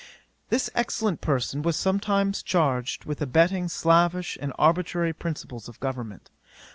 'This excellent person was sometimes charged with abetting slavish and arbitrary principles of government.